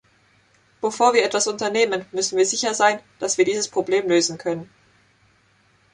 Bevor wir etwas unternehmen, müssen wir sicher sein, dass wir dieses Problem lösen können.